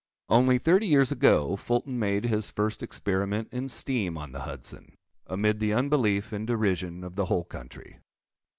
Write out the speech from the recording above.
Only thirty years ago Fulton made his first experiment in steam on the Hudson, amid the unbelief and derision of the whole country.